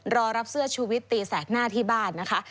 รอรับเสื้อชูวิตตีแสกหน้าที่บ้านนะคะ